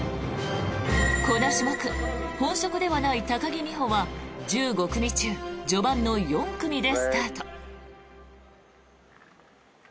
この種目本職ではない高木美帆は１５組中序盤の４組でスタート。